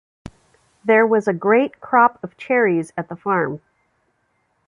There was a great crop of cherries at the farm.